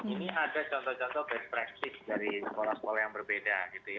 ini ada contoh contoh best practice dari sekolah sekolah yang berbeda